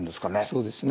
そうですね。